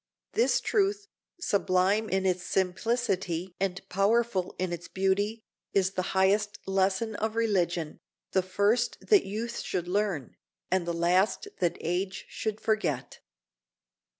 This truth, sublime in its simplicity and powerful in its beauty, is the highest lesson of religion, the first that youth should learn, and the last that age should forget.